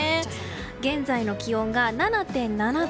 現在の気温が７．７度。